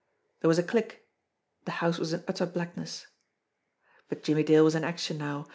There was a click. The house was in utter blackness. But Jimmie Dale was in action now.